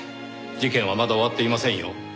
事件はまだ終わっていませんよ。